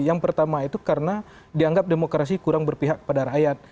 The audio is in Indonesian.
yang pertama itu karena dianggap demokrasi kurang berpihak pada rakyat